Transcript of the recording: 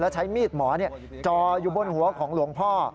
ใช้มีดหมอจออยู่บนหัวของหลวงพ่อ